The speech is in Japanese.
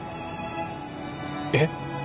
えっ？